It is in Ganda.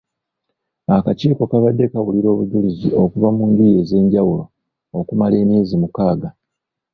Akakiiko kabadde kawulira obujulizi okuva mu njuyi ez’enjawulo okumala emyezi mukaaga.